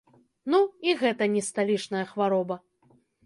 Ну, і гэта не сталічная хвароба.